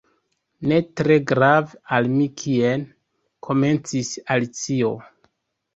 "Ne tre grave al mi kien—" komencis Alicio.